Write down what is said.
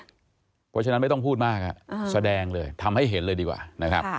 เพราะฉะนั้นไม่ต้องพูดมากแสดงเลยทำให้เห็นเลยดีกว่านะครับ